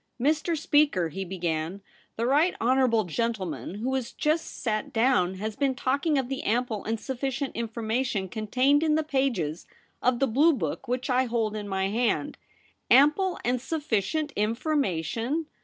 'Mr. Speaker,' he began, 'the right honourable gentleman who has just sat down has been talking of the ample and sufficient information contained in the pages of the blue book which I hold in my hand. Ample and sufficient information